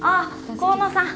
河野さん。